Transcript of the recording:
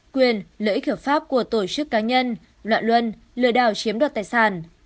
quyền lợi ích hiểu pháp của tổ chức cá nhân loạn luân lừa đảo chiếm đoạt tài sản